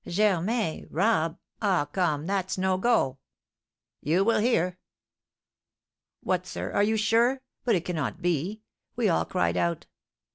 "Germain rob ah, come, that's 'no go!'" "You will hear. 'What, sir, are you sure? but it cannot be,' we all cried out.